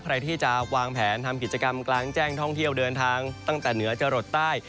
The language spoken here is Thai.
ใครที่จะวางแผนทำกิจกรรมกลางแจ้งท่องเที่ยวเดินทางตั้งแต่เหนือจะหลดใต้